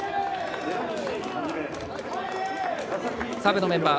サブのメンバー。